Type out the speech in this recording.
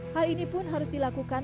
hal ini pun harus dilakukan